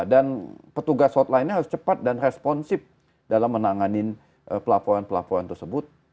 dan petugas hotline harus cepat dan responsif dalam menanganin pelaporan pelaporan tersebut